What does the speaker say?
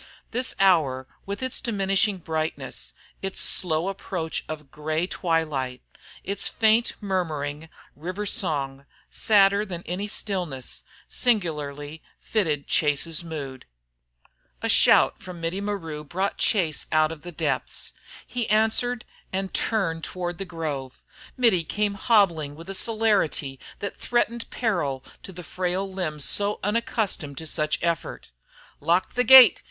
This hour with its diminishing brightness, its slow approach of gray twilight, its faint murmuring river song, sadder than any stillness, singularly fitted Chase's mood. A shout from Mittie Maru brought Chase out of the depths. He answered and turned toward the grove. Mittie came hobbling with a celerity that threatened peril to the frail limbs so unaccustomed to such effort. "Lock the gate!"